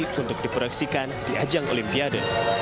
dan menunjukkan kepentingan yang akan diberikan di ajang olimpiade